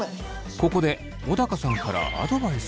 ここで小高さんからアドバイス。